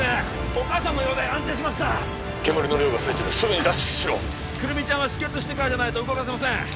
お母さんの容体安定しました煙の量が増えてるすぐに脱出しろ胡桃ちゃんは止血してからじゃないと動かせません